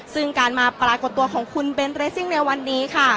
ซึ่งการมาปรากฏตัวของคุณเบนเรซิ่งในวันนี้ค่ะ